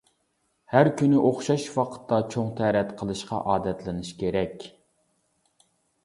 ھەر كۈنى ئوخشاش ۋاقىتتا چوڭ تەرەت قىلىشقا ئادەتلىنىش كېرەك.